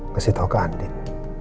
kasih tau ke andien